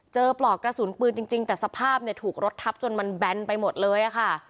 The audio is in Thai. ปลอกกระสุนปืนจริงแต่สภาพเนี่ยถูกรถทับจนมันแบนไปหมดเลยค่ะ